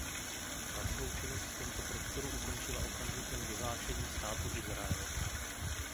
Ta svou činnost v tomto prostoru ukončila okamžikem vyhlášení Státu Izrael.